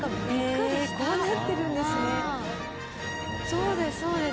そうです、そうです。